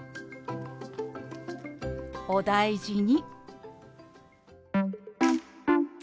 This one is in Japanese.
「お大事に」。